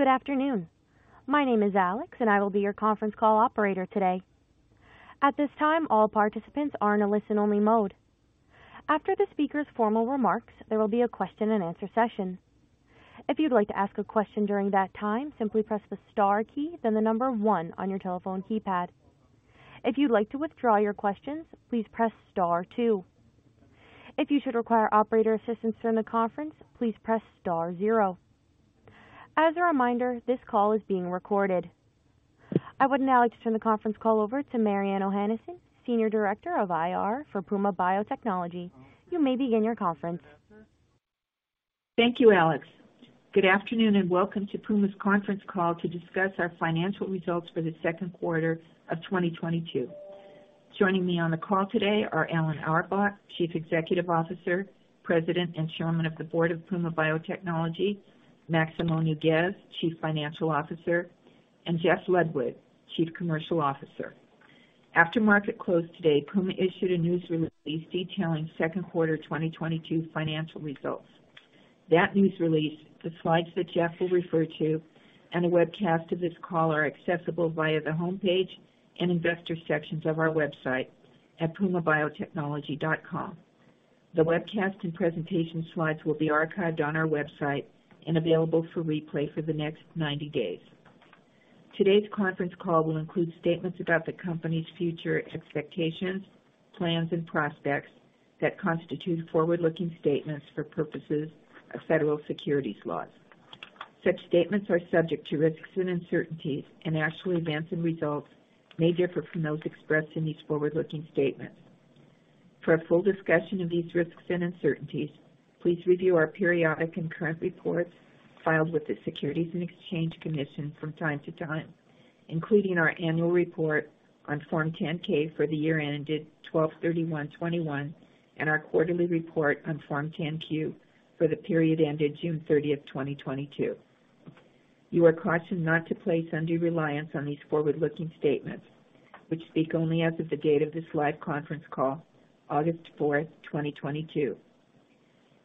Good afternoon. My name is Alex, and I will be your conference call operator today. At this time, all participants are in a listen-only mode. After the speaker's formal remarks, there will be a question-and-answer session. If you'd like to ask a question during that time, simply press the star key, then the number one on your telephone keypad. If you'd like to withdraw your questions, please press star two. If you should require operator assistance during the conference, please press star zero. As a reminder, this call is being recorded. I would now like to turn the conference call over to Mariann Ohanesian, Senior Director of IR for Puma Biotechnology. You may begin your conference. Thank you, Alex. Good afternoon, and welcome to Puma's conference call to discuss our financial results for the second quarter of 2022. Joining me on the call today are Alan Auerbach, Chief Executive Officer, President, and Chairman of the Board of Puma Biotechnology, Maximo Nougues, Chief Financial Officer, and Jeff Ludwig, Chief Commercial Officer. After market close today, Puma issued a news release detailing second quarter 2022 financial results. That news release, the slides that Jeff will refer to, and a webcast of this call are accessible via the homepage and investor sections of our website at pumabiotechnology.com. The webcast and presentation slides will be archived on our website and available for replay for the next 90 days. Today's conference call will include statements about the company's future expectations, plans, and prospects that constitute forward-looking statements for purposes of federal securities laws. Such statements are subject to risks and uncertainties, and actual events and results may differ from those expressed in these forward-looking statements. For a full discussion of these risks and uncertainties, please review our periodic and current reports filed with the Securities and Exchange Commission from time to time, including our annual report on Form 10-K for the year ended 12/31/2021 and our quarterly report on Form 10-Q for the period ended June 30, 2022. You are cautioned not to place undue reliance on these forward-looking statements, which speak only as of the date of this live conference call, August 4, 2022.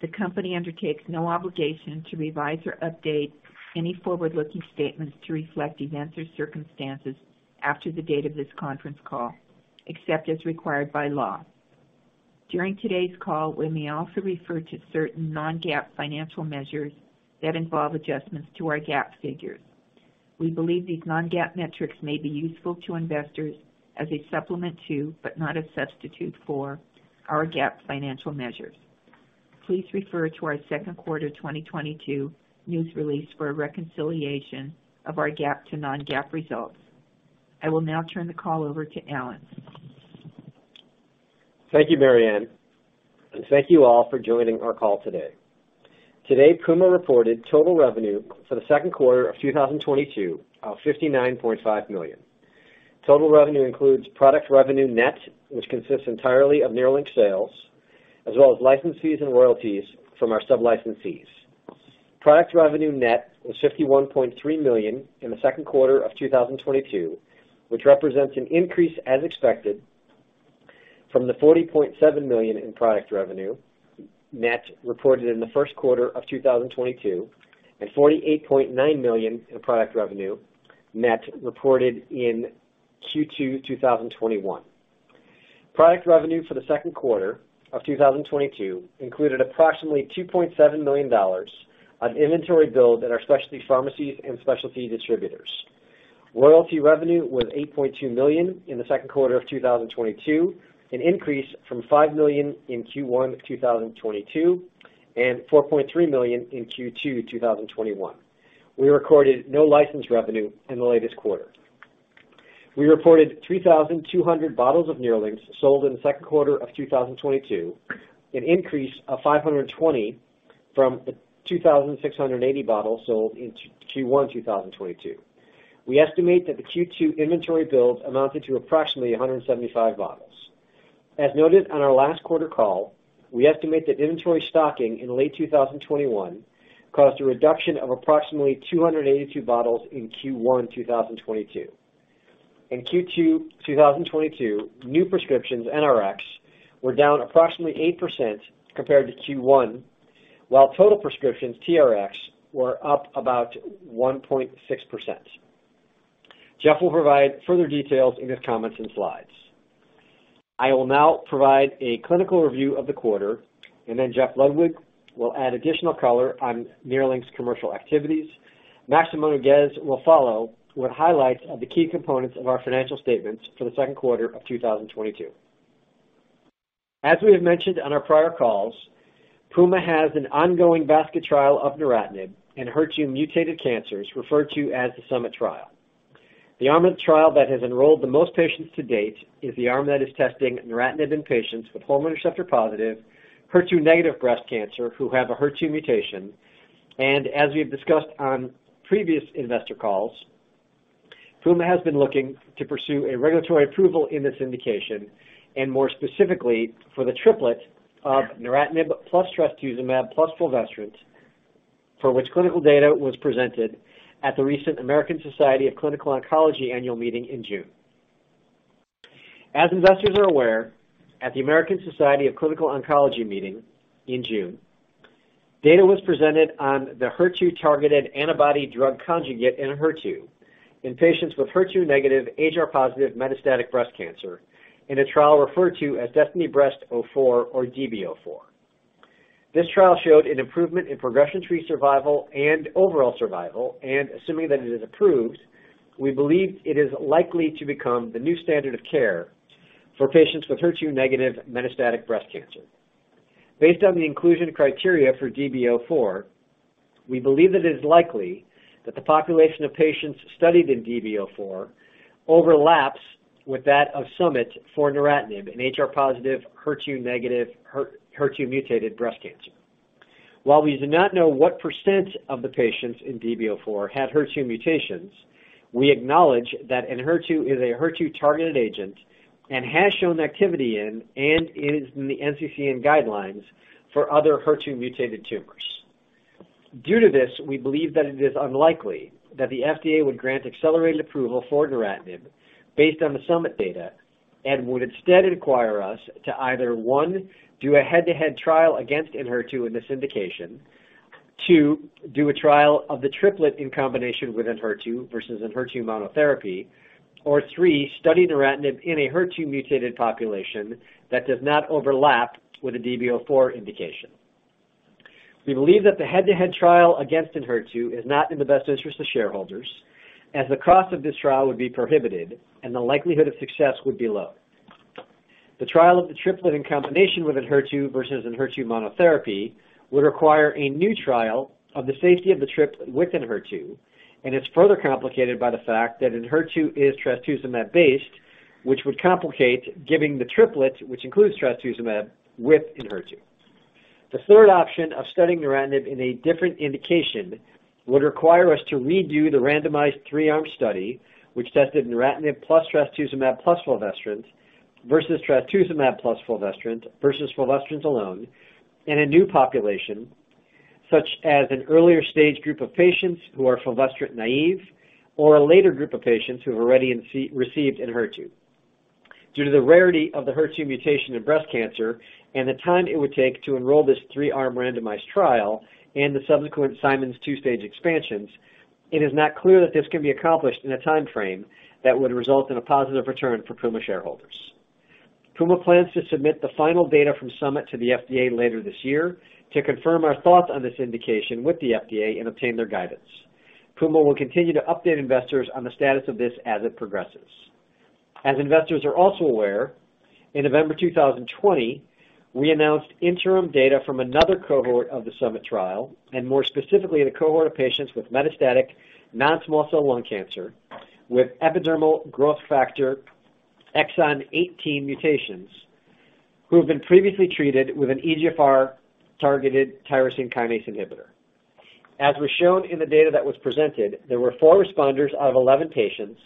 The company undertakes no obligation to revise or update any forward-looking statements to reflect events or circumstances after the date of this conference call, except as required by law. During today's call, we may also refer to certain non-GAAP financial measures that involve adjustments to our GAAP figures. We believe these non-GAAP metrics may be useful to investors as a supplement to, but not a substitute for, our GAAP financial measures. Please refer to our second quarter 2022 news release for a reconciliation of our GAAP to non-GAAP results. I will now turn the call over to Alan. Thank you, Marianne, and thank you all for joining our call today. Today, Puma reported total revenue for the second quarter of 2022 of $59.5 million. Total revenue includes product revenue net, which consists entirely of NERLYNX sales, as well as license fees and royalties from our sub-licensees. Product revenue net was $51.3 million in the second quarter of 2022, which represents an increase as expected from the $40.7 million in product revenue net reported in the first quarter of 2022 and $48.9 million in product revenue net reported in Q2 2021. Product revenue for the second quarter of 2022 included approximately $2.7 million on inventory build at our specialty pharmacies and specialty distributors. Royalty revenue was $8.2 million in the second quarter of 2022, an increase from $5 million in Q1 2022 and $4.3 million in Q2 2021. We recorded no license revenue in the latest quarter. We reported 3,200 bottles of NERLYNX sold in the second quarter of 2022, an increase of 520 from the 2,680 bottles sold in Q1 2022. We estimate that the Q2 inventory build amounted to approximately 175 bottles. As noted on our last quarter call, we estimate that inventory stocking in late 2021 caused a reduction of approximately 282 bottles in Q1 2022. In Q2 2022, new prescriptions, NRx, were down approximately 8% compared to Q1, while total prescriptions, TRx, were up about 1.6%. Jeff will provide further details in his comments and slides. I will now provide a clinical review of the quarter, and then Jeff Ludwig will add additional color on NERLYNX commercial activities. Maximo Nougues will follow with highlights of the key components of our financial statements for the second quarter of 2022. As we have mentioned on our prior calls, Puma has an ongoing basket trial of neratinib in HER2-mutated cancers, referred to as the SUMMIT trial. The arm of the trial that has enrolled the most patients to date is the arm that is testing neratinib in patients with hormone receptor-positive, HER2-negative breast cancer who have a HER2 mutation. As we have discussed on previous investor calls, Puma has been looking to pursue a regulatory approval in this indication and more specifically for the triplet of neratinib plus trastuzumab plus fulvestrant for which clinical data was presented at the recent American Society of Clinical Oncology annual meeting in June. As investors are aware, at the American Society of Clinical Oncology meeting in June, data was presented on Enhertu in patients with HER2-negative, HR-positive metastatic breast cancer in a trial referred to as DESTINY-Breast04 or DB-04. This trial showed an improvement in progression-free survival and overall survival. Assuming that it is approved, we believe it is likely to become the new standard of care for patients with HER2-negative metastatic breast cancer. Based on the inclusion criteria for DB-04, we believe that it is likely that the population of patients studied in DB-04 overlaps with that of SUMMIT for neratinib in HR-positive, HER2-negative, HER2-mutated breast cancer. While we do not know what percent of the patients in DB-04 had HER2 mutations, we acknowledge that Enhertu is a HER2-targeted agent and has shown activity in and is in the NCCN guidelines for other HER2-mutated tumors. Due to this, we believe that it is unlikely that the FDA would grant accelerated approval for neratinib based on the SUMMIT data and would instead require us to either, one, do a head-to-head trial against Enhertu in this indication, two, do a trial of the triplet in combination with Enhertu versus Enhertu monotherapy, or three, study neratinib in a HER2-mutated population that does not overlap with a DB-04 indication. We believe that the head-to-head trial against Enhertu is not in the best interest of shareholders, as the cost of this trial would be prohibitive and the likelihood of success would be low. The trial of the triplet in combination with Enhertu versus Enhertu monotherapy would require a new trial of the safety of the triplet with Enhertu, and it's further complicated by the fact that Enhertu is trastuzumab-based, which would complicate giving the triplet, which includes trastuzumab with Enhertu. The third option of studying neratinib in a different indication would require us to redo the randomized three-arm study, which tested neratinib plus trastuzumab plus fulvestrant versus trastuzumab plus fulvestrant versus fulvestrant alone in a new population, such as an earlier stage group of patients who are fulvestrant naive or a later group of patients who have already received Enhertu. Due to the rarity of the HER2 mutation in breast cancer and the time it would take to enroll this three-arm randomized trial and the subsequent Simon's two-stage expansions, it is not clear that this can be accomplished in a time frame that would result in a positive return for Puma shareholders. Puma plans to submit the final data from SUMMIT to the FDA later this year to confirm our thoughts on this indication with the FDA and obtain their guidance. Puma will continue to update investors on the status of this as it progresses. As investors are also aware, in November 2020, we announced interim data from another cohort of the SUMMIT trial, and more specifically, in a cohort of patients with metastatic non-small cell lung cancer with epidermal growth factor exon 18 mutations who have been previously treated with an EGFR-targeted tyrosine kinase inhibitor. As was shown in the data that was presented, there were 4 responders out of 11 patients,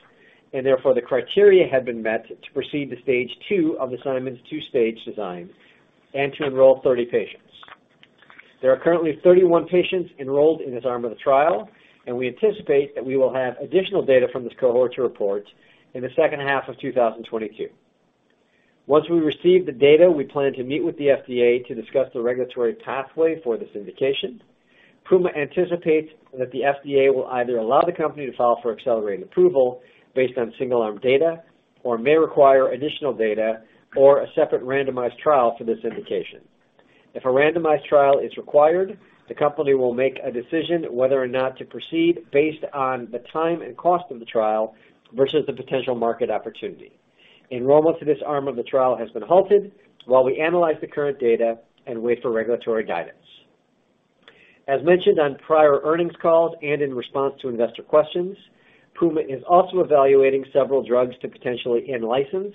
and therefore, the criteria had been met to proceed to stage 2 of the Simon's two-stage design and to enroll 30 patients. There are currently 31 patients enrolled in this arm of the trial, and we anticipate that we will have additional data from this cohort to report in the second half of 2022. Once we receive the data, we plan to meet with the FDA to discuss the regulatory pathway for this indication. Puma anticipates that the FDA will either allow the company to file for accelerated approval based on single-arm data or may require additional data or a separate randomized trial for this indication. If a randomized trial is required, the company will make a decision whether or not to proceed based on the time and cost of the trial versus the potential market opportunity. Enrollment to this arm of the trial has been halted while we analyze the current data and wait for regulatory guidance. As mentioned on prior earnings calls and in response to investor questions, Puma is also evaluating several drugs to potentially in-license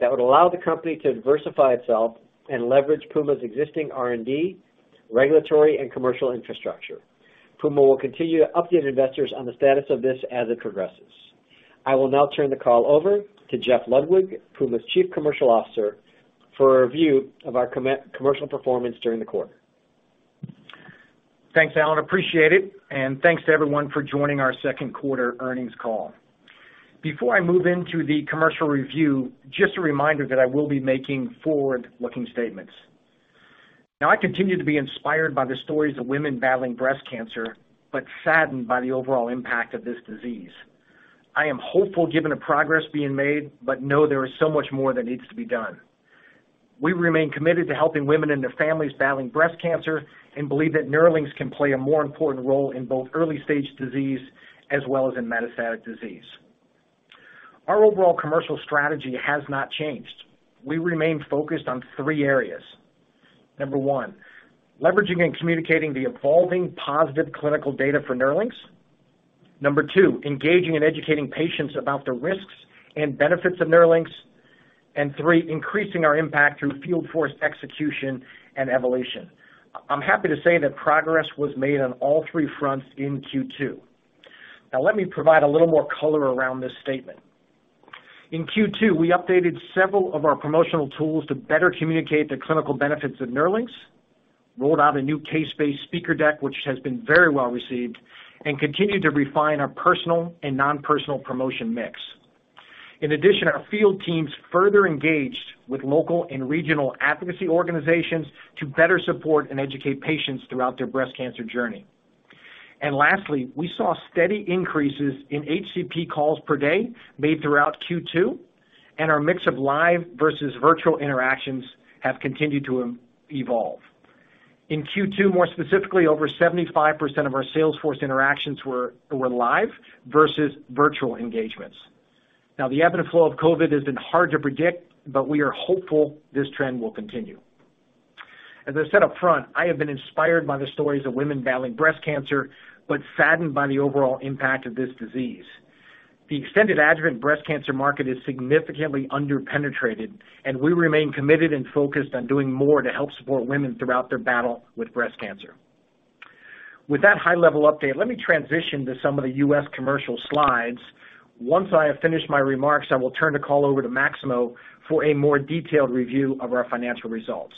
that would allow the company to diversify itself and leverage Puma's existing R&D, regulatory, and commercial infrastructure. Puma will continue to update investors on the status of this as it progresses. I will now turn the call over to Jeff Ludwig, Puma's Chief Commercial Officer, for a review of our commercial performance during the quarter. Thanks, Alan, appreciate it, and thanks to everyone for joining our second quarter earnings call. Before I move into the commercial review, just a reminder that I will be making forward-looking statements. Now I continue to be inspired by the stories of women battling breast cancer, but saddened by the overall impact of this disease. I am hopeful given the progress being made, but know there is so much more that needs to be done. We remain committed to helping women and their families battling breast cancer and believe that NERLYNX can play a more important role in both early-stage disease as well as in metastatic disease. Our overall commercial strategy has not changed. We remain focused on three areas. Number one, leveraging and communicating the evolving positive clinical data for NERLYNX. Number two, engaging and educating patients about the risks and benefits of NERLYNX. Three, increasing our impact through field force execution and evolution. I'm happy to say that progress was made on all three fronts in Q2. Now let me provide a little more color around this statement. In Q2, we updated several of our promotional tools to better communicate the clinical benefits of NERLYNX. Rolled out a new case-based speaker deck, which has been very well received and continued to refine our personal and non-personal promotion mix. In addition, our field teams further engaged with local and regional advocacy organizations to better support and educate patients throughout their breast cancer journey. Lastly, we saw steady increases in HCP calls per day made throughout Q2, and our mix of live versus virtual interactions have continued to evolve. In Q2, more specifically, over 75% of our sales force interactions were live versus virtual engagements. Now, the ebb and flow of COVID has been hard to predict, but we are hopeful this trend will continue. As I said up front, I have been inspired by the stories of women battling breast cancer, but saddened by the overall impact of this disease. The extended adjuvant breast cancer market is significantly under-penetrated, and we remain committed and focused on doing more to help support women throughout their battle with breast cancer. With that high level update, let me transition to some of the U.S. commercial slides. Once I have finished my remarks, I will turn the call over to Maximo for a more detailed review of our financial results.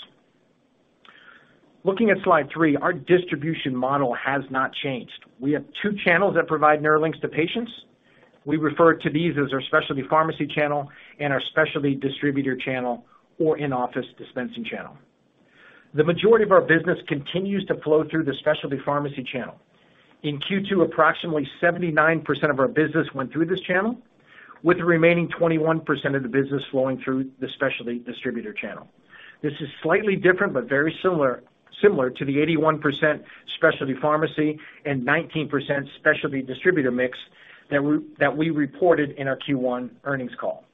Looking at slide three, our distribution model has not changed. We have two channels that provide NERLYNX to patients. We refer to these as our specialty pharmacy channel and our specialty distributor channel or in-office dispensing channel. The majority of our business continues to flow through the specialty pharmacy channel. In Q2, approximately 79% of our business went through this channel, with the remaining 21% of the business flowing through the specialty distributor channel. This is slightly different, but very similar to the 81% specialty pharmacy and 19% specialty distributor mix that we reported in our Q1 earnings call.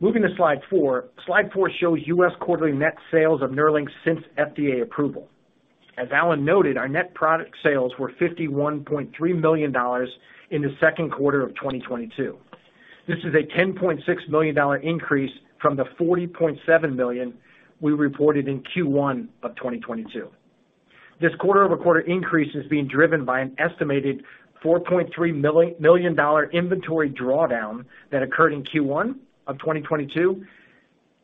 Moving to slide four. Slide four shows U.S. quarterly net sales of NERLYNX since FDA approval. As Alan noted, our net product sales were $51.3 million in the second quarter of 2022. This is a $10.6 million increase from the $40.7 million we reported in Q1 of 2022. This quarter-over-quarter increase is being driven by an estimated $4.3 million inventory drawdown that occurred in Q1 of 2022,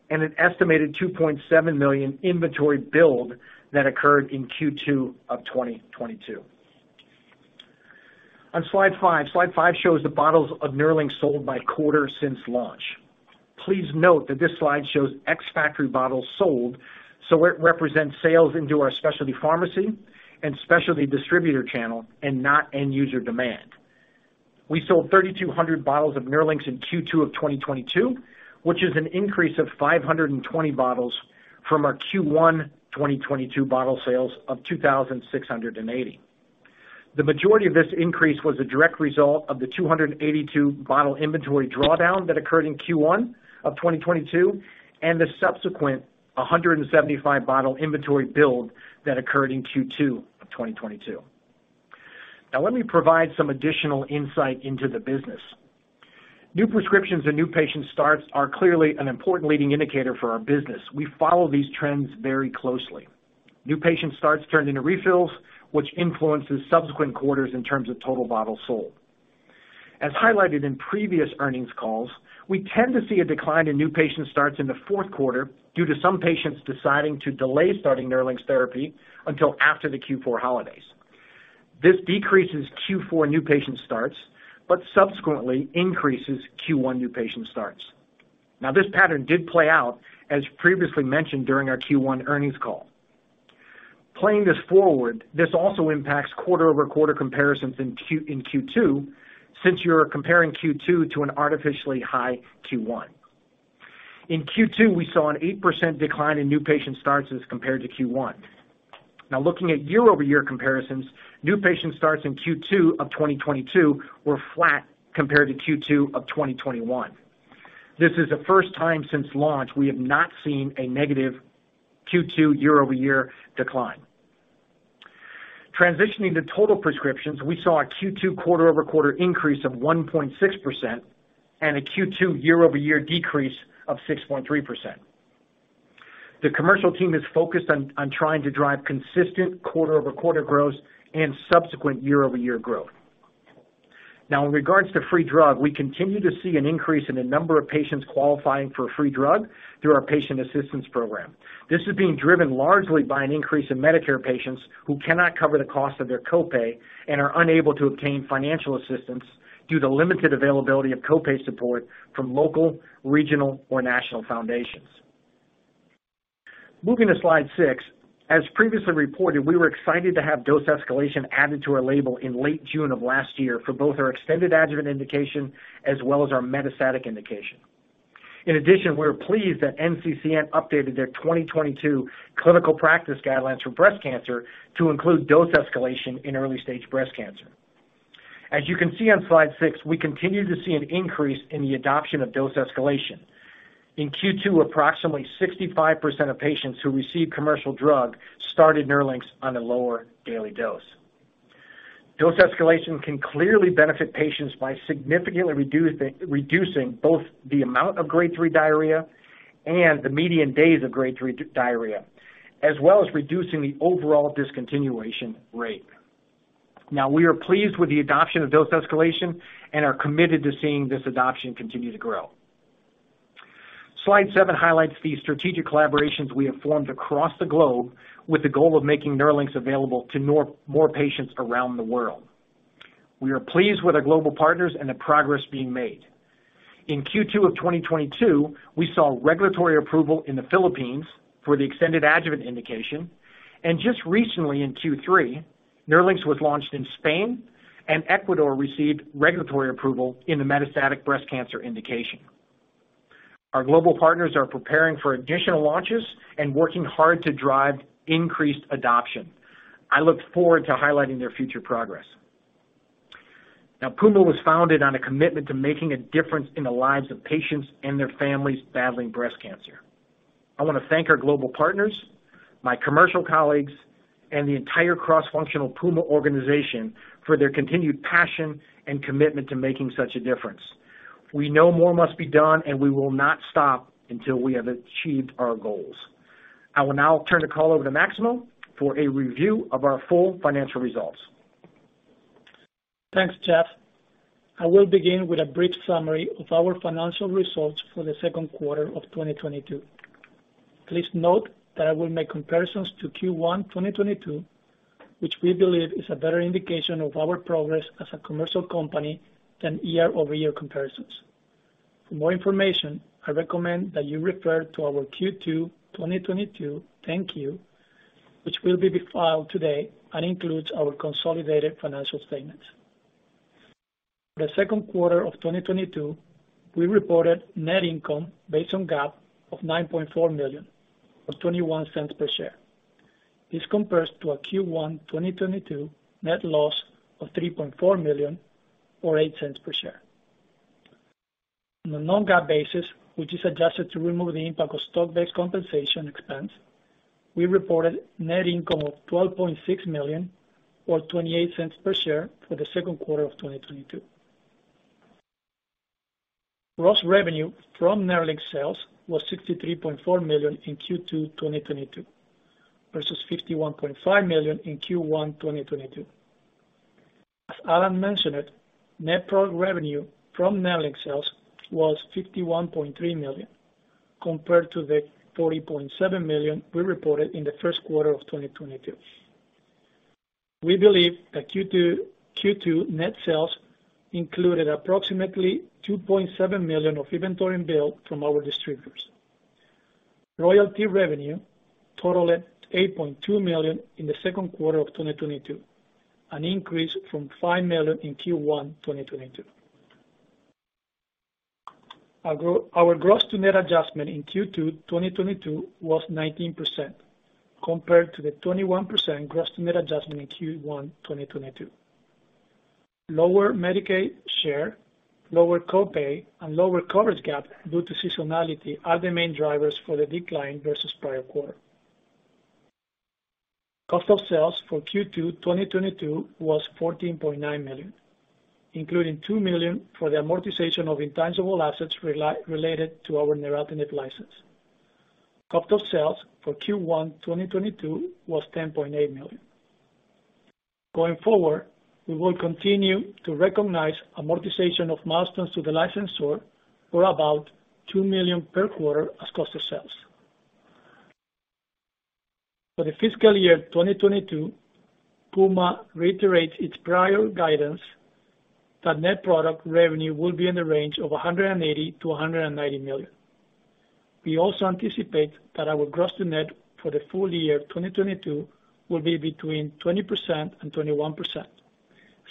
and an estimated $2.7 million inventory build that occurred in Q2 of 2022. On slide five. Slide five shows the bottles of NERLYNX sold by quarter since launch. Please note that this slide shows ex-factory bottles sold, so it represents sales into our specialty pharmacy and specialty distributor channel and not end user demand. We sold 3,200 bottles of NERLYNX in Q2 of 2022, which is an increase of 520 bottles from our Q1 2022 bottle sales of 2,680. The majority of this increase was a direct result of the 282 bottle inventory drawdown that occurred in Q1 of 2022, and the subsequent 175 bottle inventory build that occurred in Q2 of 2022. Now, let me provide some additional insight into the business. New prescriptions and new patient starts are clearly an important leading indicator for our business. We follow these trends very closely. New patient starts turn into refills, which influences subsequent quarters in terms of total bottles sold. As highlighted in previous earnings calls, we tend to see a decline in new patient starts in the fourth quarter due to some patients deciding to delay starting NERLYNX therapy until after the Q4 holidays. This decreases Q4 new patient starts, but subsequently increases Q1 new patient starts. Now, this pattern did play out, as previously mentioned during our Q1 earnings call. Playing this forward, this also impacts quarter-over-quarter comparisons in Q2, since you're comparing Q2 to an artificially high Q1. In Q2, we saw an 8% decline in new patient starts as compared to Q1. Now looking at year-over-year comparisons, new patient starts in Q2 of 2022 were flat compared to Q2 of 2021. This is the first time since launch we have not seen a negative Q2 year-over-year decline. Transitioning to total prescriptions, we saw a Q2 quarter-over-quarter increase of 1.6% and a Q2 year-over-year decrease of 6.3%. The commercial team is focused on trying to drive consistent quarter-over-quarter growth and subsequent year-over-year growth. Now in regards to free drug, we continue to see an increase in the number of patients qualifying for a free drug through our patient assistance program. This is being driven largely by an increase in Medicare patients who cannot cover the cost of their copay and are unable to obtain financial assistance due to limited availability of copay support from local, regional, or national foundations. Moving to slide 6. As previously reported, we were excited to have dose escalation added to our label in late June of last year for both our extended adjuvant indication as well as our metastatic indication. In addition, we're pleased that NCCN updated their 2022 clinical practice guidelines for breast cancer to include dose escalation in early stage breast cancer. As you can see on slide 6, we continue to see an increase in the adoption of dose escalation. In Q2, approximately 65% of patients who received commercial drug started NERLYNX on a lower daily dose. Dose escalation can clearly benefit patients by significantly reducing both the amount of grade three diarrhea and the median days of grade three diarrhea, as well as reducing the overall discontinuation rate. Now, we are pleased with the adoption of dose escalation and are committed to seeing this adoption continue to grow. Slide 7 highlights the strategic collaborations we have formed across the globe with the goal of making NERLYNX available to more patients around the world. We are pleased with our global partners and the progress being made. In Q2 of 2022, we saw regulatory approval in the Philippines for the extended adjuvant indication, and just recently in Q3, NERLYNX was launched in Spain, and Ecuador received regulatory approval in the metastatic breast cancer indication. Our global partners are preparing for additional launches and working hard to drive increased adoption. I look forward to highlighting their future progress. Now, Puma was founded on a commitment to making a difference in the lives of patients and their families battling breast cancer. I wanna thank our global partners, my commercial colleagues, and the entire cross-functional Puma organization for their continued passion and commitment to making such a difference. We know more must be done, and we will not stop until we have achieved our goals. I will now turn the call over to Maximo for a review of our full financial results. Thanks, Jeff. I will begin with a brief summary of our financial results for the second quarter of 2022. Please note that I will make comparisons to Q1 2022, which we believe is a better indication of our progress as a commercial company than year-over-year comparisons. For more information, I recommend that you refer to our Q2 2022 10-Q, which will be filed today and includes our consolidated financial statements. The second quarter of 2022, we reported net income based on GAAP of $9.4 million or $0.21 per share. This compares to a Q1 2022 net loss of $3.4 million or $0.08 per share. On a non-GAAP basis, which is adjusted to remove the impact of stock-based compensation expense, we reported net income of $12.6 million or $0.28 per share for the second quarter of 2022. Gross revenue from NERLYNX sales was $63.4 million in Q2 2022, versus $51.5 million in Q1 2022. As Alan mentioned, net product revenue from NERLYNX sales was $51.3 million, compared to the $40.7 million we reported in the first quarter of 2022. We believe that Q2 net sales included approximately $2.7 million of inventory build from our distributors. Royalty revenue totaled $8.2 million in the second quarter of 2022, an increase from $5 million in Q1 2022. Our gross to net adjustment in Q2 2022 was 19% compared to the 21% gross to net adjustment in Q1 2022. Lower Medicaid share, lower co-pay, and lower coverage gap due to seasonality are the main drivers for the decline versus prior quarter. Cost of sales for Q2 2022 was $14.9 million, including $2 million for the amortization of intangible assets related to our neratinib license. Cost of sales for Q1 2022 was $10.8 million. Going forward, we will continue to recognize amortization of milestones to the licensor for about $2 million per quarter as cost of sales. For the fiscal year 2022, Puma reiterates its prior guidance that net product revenue will be in the range of $180 million-$190 million. We also anticipate that our gross to net for the full year 2022 will be between 20% and 21%,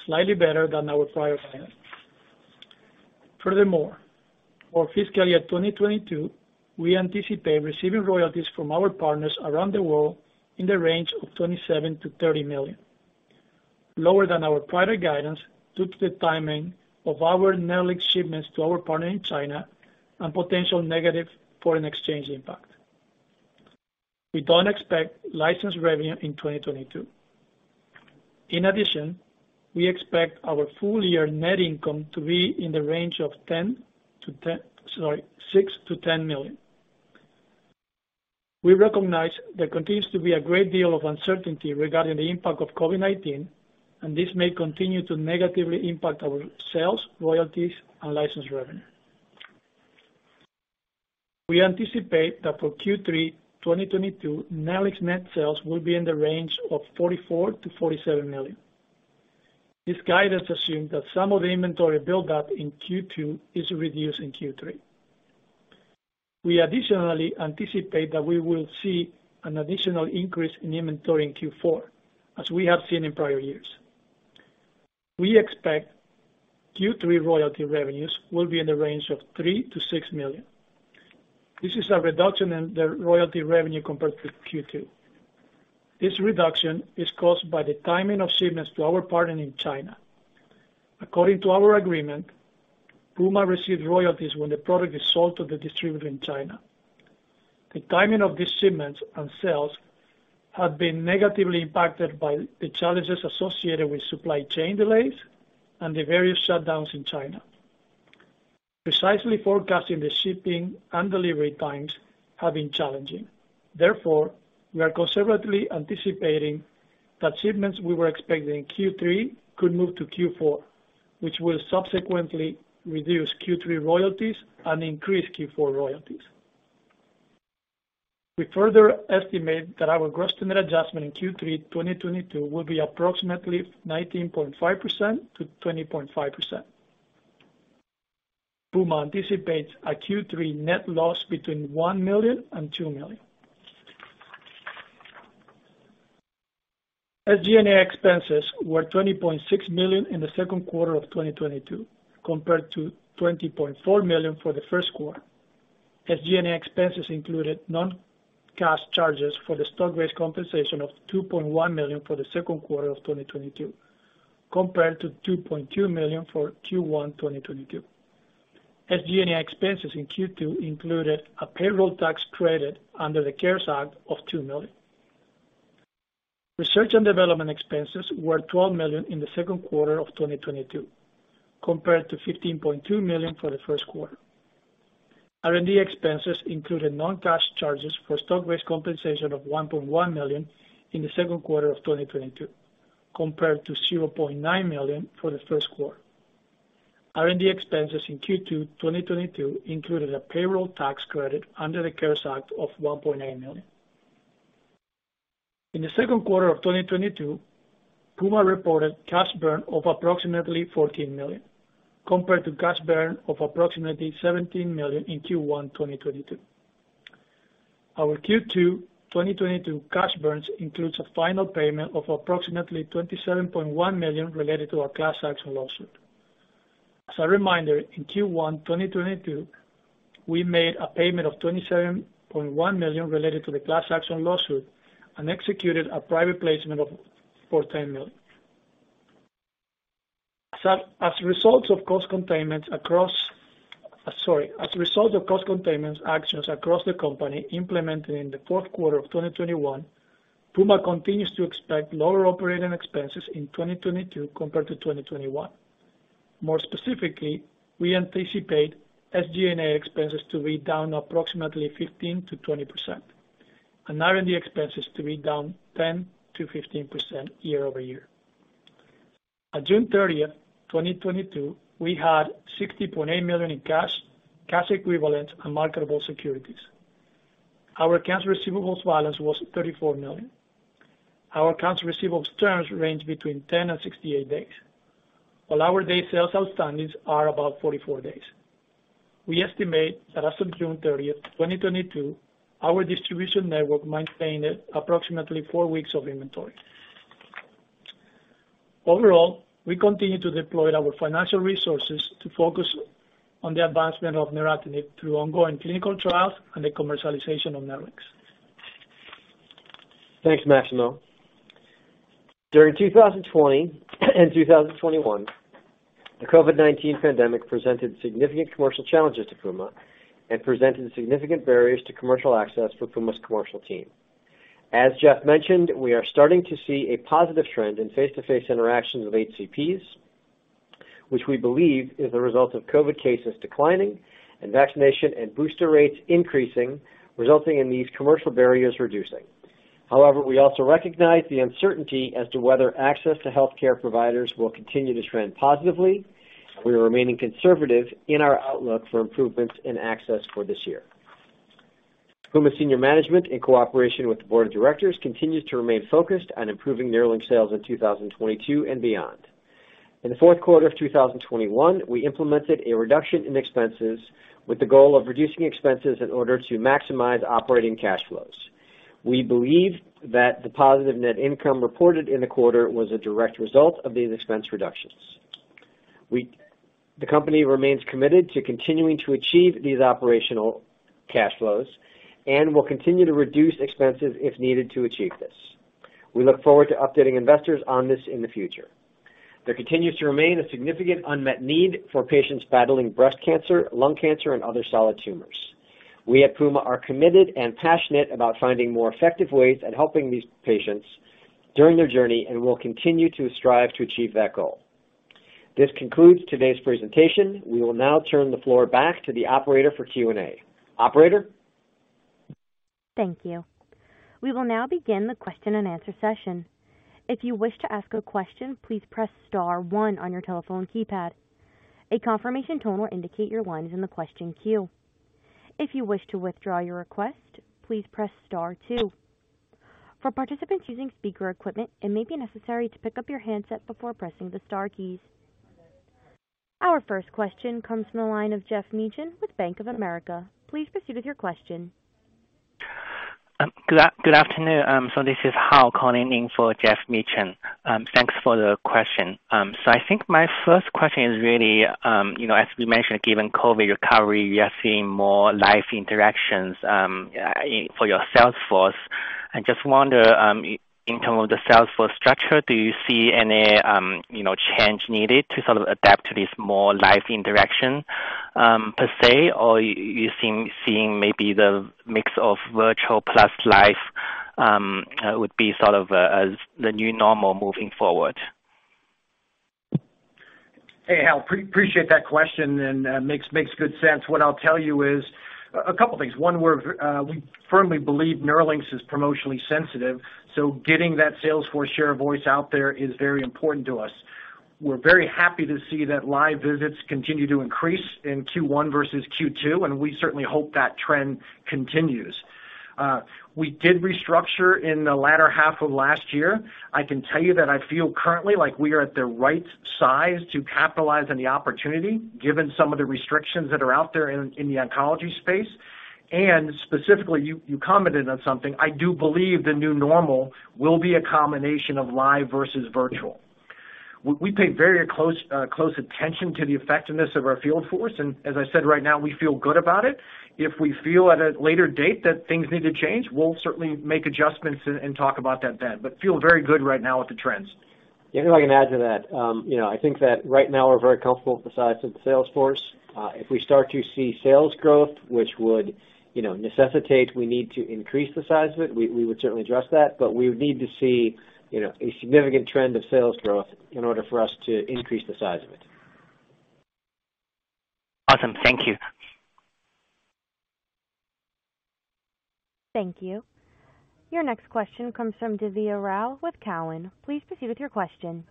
slightly better than our prior guidance. Furthermore, for fiscal year 2022, we anticipate receiving royalties from our partners around the world in the range of $27 million-$30 million, lower than our prior guidance due to the timing of our NERLYNX shipments to our partner in China and potential negative foreign exchange impact. We don't expect license revenue in 2022. In addition, we expect our full-year net income to be in the range of $6 million-$10 million. We recognize there continues to be a great deal of uncertainty regarding the impact of COVID-19, and this may continue to negatively impact our sales, royalties, and license revenue. We anticipate that for Q3 2022, NERLYNX net sales will be in the range of $44 million-$47 million. This guidance assumes that some of the inventory buildup in Q2 is reduced in Q3. We additionally anticipate that we will see an additional increase in inventory in Q4, as we have seen in prior years. We expect Q3 royalty revenues will be in the range of $3 million-$6 million. This is a reduction in the royalty revenue compared to Q2. This reduction is caused by the timing of shipments to our partner in China. According to our agreement, Puma received royalties when the product is sold to the distributor in China. The timing of these shipments and sales have been negatively impacted by the challenges associated with supply chain delays and the various shutdowns in China. Precisely forecasting the shipping and delivery times have been challenging. Therefore, we are conservatively anticipating. The achievements we were expecting in Q3 could move to Q4, which will subsequently reduce Q3 royalties and increase Q4 royalties. We further estimate that our gross-to-net adjustment in Q3 2022 will be approximately 19.5% to 20.5%. Puma anticipates a Q3 net loss between $1 million and $2 million. SG&A expenses were $20.6 million in the second quarter of 2022, compared to $20.4 million for the first quarter. SG&A expenses included non-cash charges for the stock-based compensation of $2.1 million for the second quarter of 2022, compared to $2.2 million for Q1 2022. SG&A expenses in Q2 included a payroll tax credit under the CARES Act of $2 million. Research and development expenses were $12 million in the second quarter of 2022, compared to $15.2 million for the first quarter. R&D expenses included non-cash charges for stock-based compensation of $1.1 million in the second quarter of 2022, compared to $0.9 million for the first quarter. R&D expenses in Q2 2022 included a payroll tax credit under the CARES Act of $1.8 million. In the second quarter of 2022, Puma reported cash burn of approximately $14 million, compared to cash burn of approximately $17 million in Q1 2022. Our Q2 2022 cash burn includes a final payment of approximately $27.1 million related to our class action lawsuit. As a reminder, in Q1 2022, we made a payment of $27.1 million related to the class action lawsuit and executed a private placement of $10 million. As a result of cost containments actions across the company implemented in the fourth quarter of 2021, Puma continues to expect lower operating expenses in 2022 compared to 2021. More specifically, we anticipate SG&A expenses to be down approximately 15%-20% and R&D expenses to be down 10%-15% year-over-year. On June 30, 2022, we had $60.8 million in cash equivalents, and marketable securities. Our accounts receivables balance was $34 million. Our accounts receivables terms range between 10 and 68 days, while our day sales outstandings are about 44 days. We estimate that as of June 30, 2022, our distribution network maintained approximately four weeks of inventory. Overall, we continue to deploy our financial resources to focus on the advancement of neratinib through ongoing clinical trials and the commercialization of NERLYNX. Thanks, Maximo. During 2020 and 2021, the COVID-19 pandemic presented significant commercial challenges to Puma and presented significant barriers to commercial access for Puma's commercial team. As Jeff mentioned, we are starting to see a positive trend in face-to-face interactions with HCPs, which we believe is a result of COVID cases declining and vaccination and booster rates increasing, resulting in these commercial barriers reducing. However, we also recognize the uncertainty as to whether access to healthcare providers will continue to trend positively. We are remaining conservative in our outlook for improvements in access for this year. Puma senior management, in cooperation with the board of directors, continues to remain focused on improving NERLYNX sales in 2022 and beyond. In the fourth quarter of 2021, we implemented a reduction in expenses with the goal of reducing expenses in order to maximize operating cash flows. We believe that the positive net income reported in the quarter was a direct result of these expense reductions. The company remains committed to continuing to achieve these operational cash flows and will continue to reduce expenses if needed to achieve this. We look forward to updating investors on this in the future. There continues to remain a significant unmet need for patients battling breast cancer, lung cancer, and other solid tumors. We at Puma are committed and passionate about finding more effective ways at helping these patients during their journey and will continue to strive to achieve that goal. This concludes today's presentation. We will now turn the floor back to the operator for Q&A. Operator? Thank you. We will now begin the question-and-answer session. If you wish to ask a question, please press star one on your telephone keypad. A confirmation tone will indicate your line is in the question queue. If you wish to withdraw your request, please press star two. For participants using speaker equipment, it may be necessary to pick up your handset before pressing the star keys. Our first question comes from the line of Geoff Meacham with Bank of America. Please proceed with your question. Good afternoon. This is Hao calling in for Geoff Meacham. Thanks for the question. I think my first question is really, you know, as we mentioned, given COVID recovery, you are seeing more live interactions for your sales force. I just wonder in terms of the sales force structure, do you see any, you know, change needed to sort of adapt to this more live interaction per se? Or you seeing maybe the mix of virtual plus live would be sort of as the new normal moving forward? Hey, Hao. Appreciate that question and makes good sense. What I'll tell you is a couple things. One, we firmly believe NERLYNX is promotionally sensitive, so getting that sales force share of voice out there is very important to us. We're very happy to see that live visits continue to increase in Q1 versus Q2, and we certainly hope that trend continues. We did restructure in the latter half of last year. I can tell you that I feel currently like we are at the right size to capitalize on the opportunity given some of the restrictions that are out there in the oncology space. Specifically, you commented on something. I do believe the new normal will be a combination of live versus virtual. We pay very close attention to the effectiveness of our field force, and as I said, right now we feel good about it. If we feel at a later date that things need to change, we'll certainly make adjustments and talk about that then. We feel very good right now with the trends. Yeah, if I can add to that. You know, I think that right now we're very comfortable with the size of the sales force. If we start to see sales growth, which would, you know, necessitate we need to increase the size of it, we would certainly address that. We would need to see, you know, a significant trend of sales growth in order for us to increase the size of it. Awesome. Thank you. Thank you. Your next question comes from Divya Rao with Cowen. Please proceed with your question.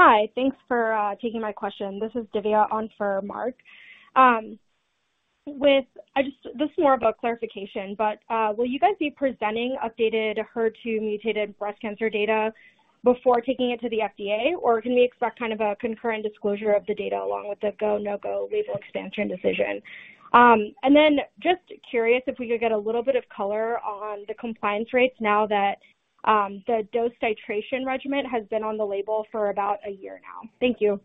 Hi. Thanks for taking my question. This is Divya on for Mark. This is more of a clarification, but will you guys be presenting updated HER2-mutated breast cancer data before taking it to the FDA? Can we expect kind of a concurrent disclosure of the data along with the go, no-go label expansion decision? Just curious if we could get a little bit of color on the compliance rates now that the dose titration regimen has been on the label for about a year now. Thank you.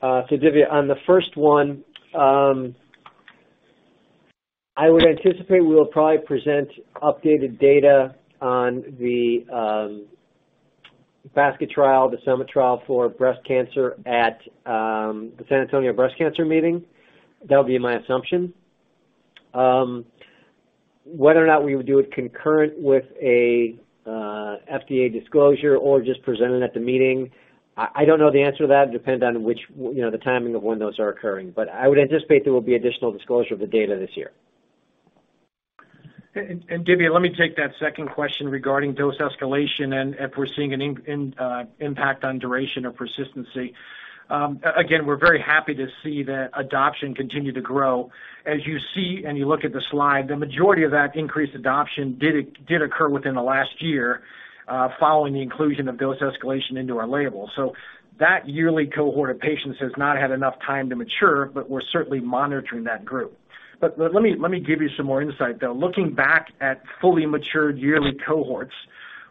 Divya, on the first one, I would anticipate we'll probably present updated data on the basket trial, the SUMMIT trial for breast cancer at the San Antonio Breast Cancer Symposium. That would be my assumption. Whether or not we would do it concurrent with a FDA disclosure or just present it at the meeting, I don't know the answer to that. It depends on which, you know, the timing of when those are occurring. I would anticipate there will be additional disclosure of the data this year. Divya, let me take that second question regarding dose escalation and if we're seeing an impact on duration or persistency. Again, we're very happy to see the adoption continue to grow. As you see, and you look at the slide, the majority of that increased adoption did occur within the last year, following the inclusion of dose escalation into our label. That yearly cohort of patients has not had enough time to mature, but we're certainly monitoring that group. Let me give you some more insight, though. Looking back at fully matured yearly cohorts,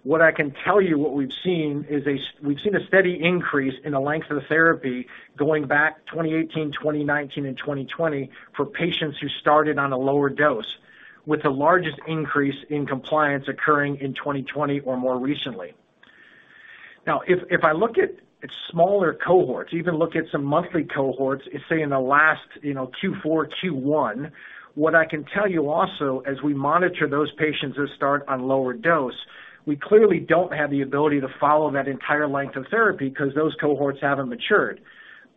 what I can tell you is we've seen a steady increase in the length of therapy going back 2018, 2019 and 2020 for patients who started on a lower dose, with the largest increase in compliance occurring in 2020 or more recently. Now, if I look at smaller cohorts, even look at some monthly cohorts, say in the last, you know, Q4, Q1, what I can tell you also, as we monitor those patients who start on lower dose, we clearly don't have the ability to follow that entire length of therapy 'cause those cohorts haven't matured.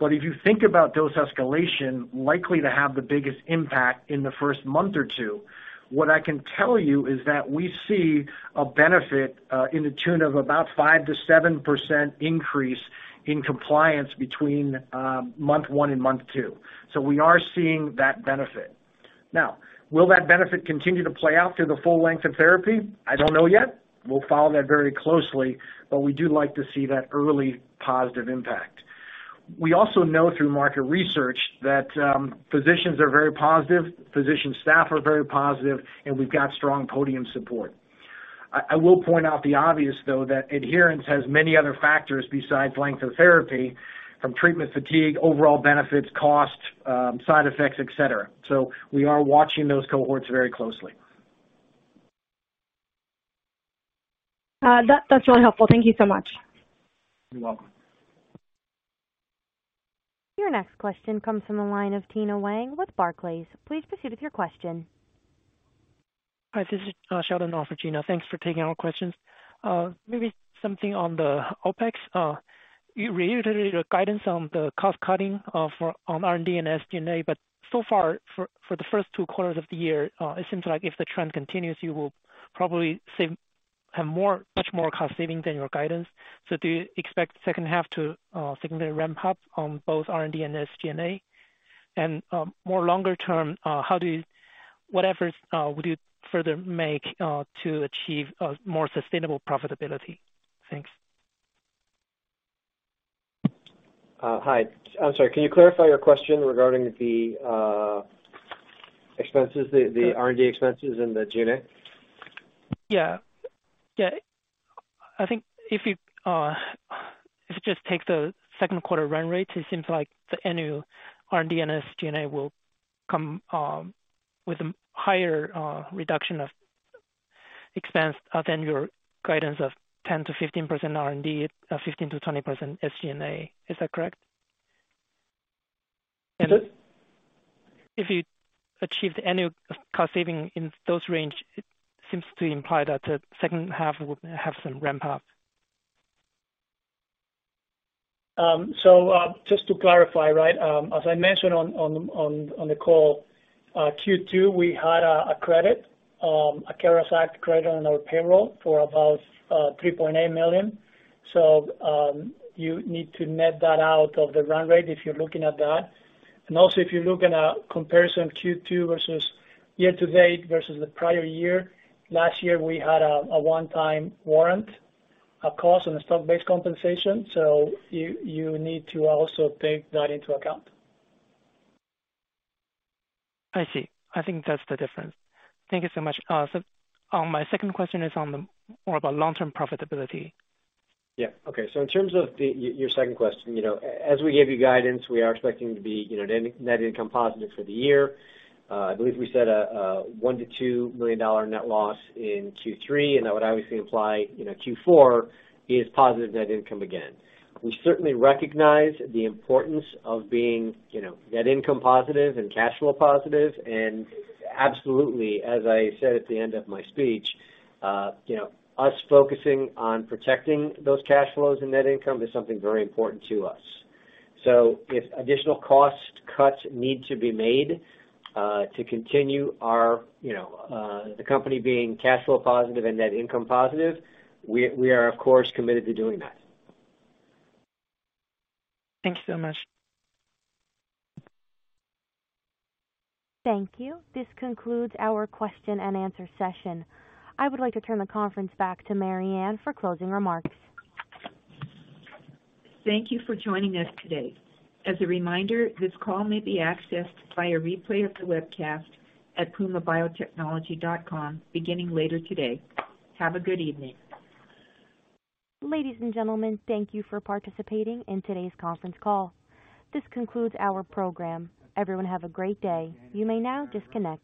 If you think about dose escalation likely to have the biggest impact in the first month or two, what I can tell you is that we see a benefit to the tune of about 5%-7% increase in compliance between month one and month two. So we are seeing that benefit. Now, will that benefit continue to play out through the full length of therapy? I don't know yet. We'll follow that very closely, but we do like to see that early positive impact. We also know through market research that physicians are very positive, physician staff are very positive, and we've got strong podium support. I will point out the obvious, though, that adherence has many other factors besides length of therapy from treatment fatigue, overall benefits, cost, side effects, et cetera. So we are watching those cohorts very closely. That's really helpful. Thank you so much. You're welcome. Your next question comes from the line of Gena Wang with Barclays. Please proceed with your question. Hi, this is Sheldon on for Gena. Thanks for taking our questions. Maybe something on the OpEx. You reiterated your guidance on the cost cutting for R&D and SG&A, but so far for the first two quarters of the year, it seems like if the trend continues, you will probably have much more cost savings than your guidance. Do you expect the second half to significantly ramp up on both R&D and SG&A? Longer term, what efforts would you further make to achieve a more sustainable profitability? Thanks. Hi. I'm sorry. Can you clarify your question regarding the expenses, the R&D expenses and the G&A? Yeah. Yeah. I think if you just take the second quarter run rates, it seems like the annual R&D and SG&A will come with a higher reduction of expense other than your guidance of 10%-15% R&D, 15%-20% SG&A. Is that correct? If you achieved annual cost saving in those range, it seems to imply that the second half would have some ramp-up. Just to clarify, right, as I mentioned on the call, Q2 we had a credit, a CARES Act credit on our payroll for about $3.8 million. You need to net that out of the run rate if you're looking at that. Also if you're looking at comparison Q2 versus year-to-date versus the prior year, last year we had a one-time warrant cost on the stock-based compensation. You need to also take that into account. I see. I think that's the difference. Thank you so much. My second question is on the more about long-term profitability. Yeah. Okay. In terms of your second question, you know, as we gave you guidance, we are expecting to be, you know, net income positive for the year. I believe we said a $1-2 million net loss in Q3, and that would obviously imply, you know, Q4 is positive net income again. We certainly recognize the importance of being, you know, net income positive and cash flow positive. Absolutely, as I said at the end of my speech, you know, us focusing on protecting those cash flows and net income is something very important to us. If additional cost cuts need to be made to continue our, you know, the company being cash flow positive and net income positive, we are of course committed to doing that. Thank you so much. Thank you. This concludes our question and answer session. I would like to turn the conference back to Mariann for closing remarks. Thank you for joining us today. As a reminder, this call may be accessed via replay of the webcast at pumabiotechnology.com beginning later today. Have a good evening. Ladies and gentlemen, thank you for participating in today's conference call. This concludes our program. Everyone have a great day. You may now disconnect.